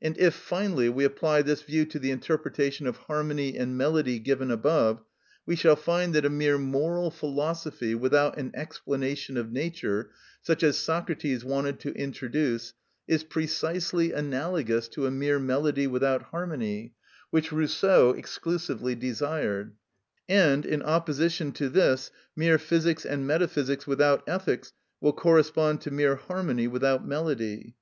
And if, finally, we apply this view to the interpretation of harmony and melody given above, we shall find that a mere moral philosophy without an explanation of Nature, such as Socrates wanted to introduce, is precisely analogous to a mere melody without harmony, which Rousseau exclusively desired; and, in opposition to this mere physics and metaphysics without ethics, will correspond to mere harmony without melody.